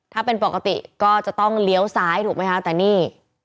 ถ้าเป็นปกติก็จะต้องเลี้ยวซ้ายถูกไหมคะแต่นี่